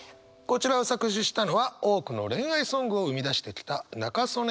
こちらを作詞したのは多くの恋愛ソングを生み出してきた仲宗根泉さんです。